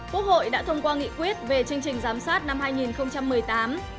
quốc hội đã thông qua nghị quyết về chương trình giám sát năm hai nghìn một mươi tám